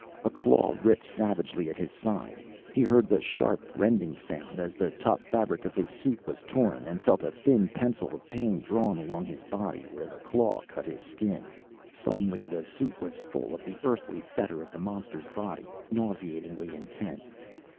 A claw ripped savagely at his side. He heard the sharp, rending sound, as the tough fabric of his suit was torn, and felt a thin pencil of pain drawn along his body, where a claw cut his skin. Suddenly the suit was full of the earthy fetor of the monster's body, nauseatingly intense.